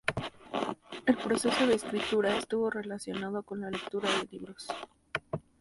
El proceso de escritura estuvo relacionado con la lectura de libros.